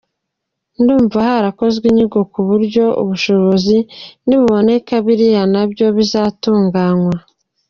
Ndumva harakozwe inyigo ku buryo ubushobozi nibuboneka biriya na byo bizatuganywa”.